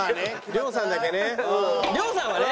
亮さんはね。